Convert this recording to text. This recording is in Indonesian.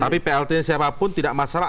tapi plt siapapun tidak masalah